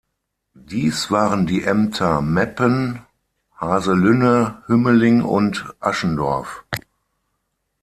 Dies waren die Ämter Meppen, Haselünne, Hümmling und Aschendorf.